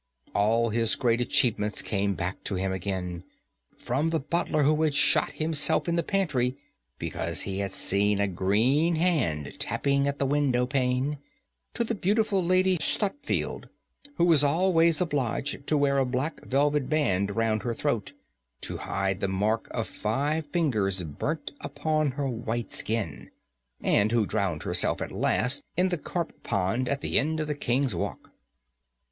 All his great achievements came back to him again, from the butler who had shot himself in the pantry because he had seen a green hand tapping at the window pane, to the beautiful Lady Stutfield, who was always obliged to wear a black velvet band round her throat to hide the mark of five fingers burnt upon her white skin, and who drowned herself at last in the carp pond at the end of the King's Walk.